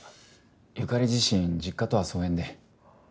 由香里自身実家とは疎遠で。